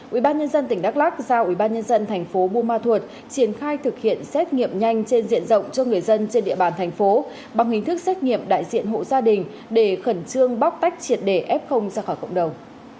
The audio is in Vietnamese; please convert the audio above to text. ubnd tỉnh đắk lắc giao ubnd thành phố buôn ma thuột triển khai thực hiện xét nghiệm nhanh trên diện rộng cho người dân trên địa bàn thành phố bằng hình thức xét nghiệm đại diện hộ gia đình để khẩn trương bóc tách triệt để f ra khỏi cộng đồng